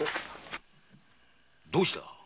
どうした？